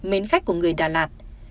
mến khách của người đà lạt